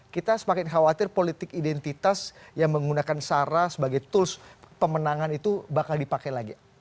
kita semakin khawatir politik identitas yang menggunakan sarah sebagai tools pemenangan itu bakal dipakai lagi